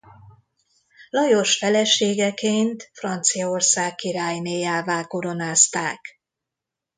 Lajos feleségeként Franciaország királynéjává koronázták.